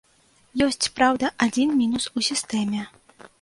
Ёсць, праўда, адзін мінус у сістэме.